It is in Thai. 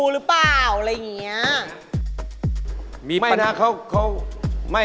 รึเป่า